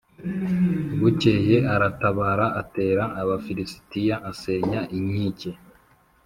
Bukeye aratabara atera abafilisitiya asenya inkike